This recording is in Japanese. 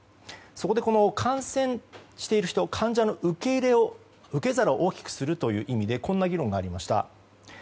そこで感染している人患者の受け入れを、受け皿を大きくするという意味でこんな議論がありました。